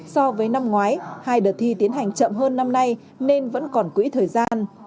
so với năm ngoái hai đợt thi tiến hành chậm hơn năm nay nên vẫn còn quỹ thời gian